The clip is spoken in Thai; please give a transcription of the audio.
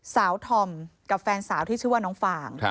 ธอมกับแฟนสาวที่ชื่อว่าน้องฟาง